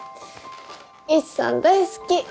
イチさん大好き。